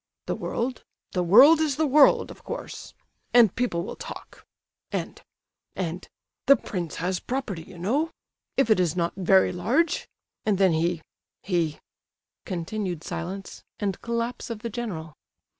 The world, the world is the world, of course—and people will talk—and—and—the prince has property, you know—if it is not very large—and then he—he—" (Continued silence, and collapse of the general.)